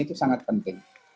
itu sangat penting